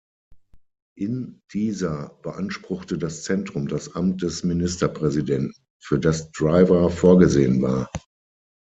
In dieser beanspruchte das Zentrum das Amt des Ministerpräsidenten, für das Driver vorgesehen war.